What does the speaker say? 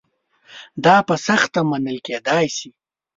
دا په سخته منل کېدای شي.